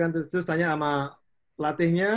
terus tanya sama pelatihnya